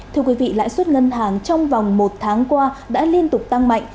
thưa quý vị lãi suất ngân hàng trong vòng một tháng qua đã liên tục tăng mạnh